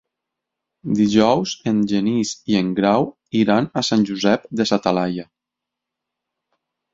Dijous en Genís i en Grau iran a Sant Josep de sa Talaia.